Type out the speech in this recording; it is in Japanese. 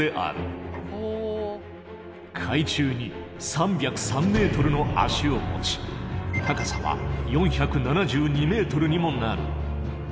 海中に３０３ｍの脚を持ち高さは４７２ｍにもなる。